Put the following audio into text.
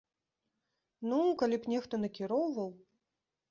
Ну, калі б нехта накіроўваў.